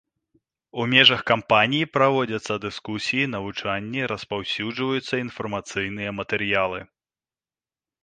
У межах кампаніі праводзяцца дыскусіі, навучанні, распаўсюджваюцца інфармацыйныя матэрыялы.